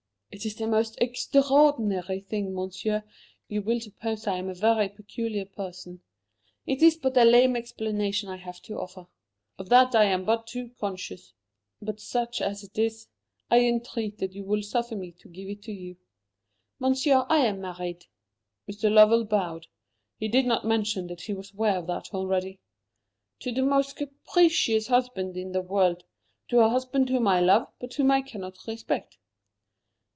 "It is the most extraordinary thing, Monsieur; you will suppose I am a very peculiar person. It is but a lame explanation I have to offer. Of that I am but too conscious. But such as it is, I entreat that you will suffer me to give it you. Monsieur, I am married" Mr. Lovell bowed. He did not mention that he was aware of that already "to the most capricious husband in the world to a husband whom I love, but whom I cannot respect."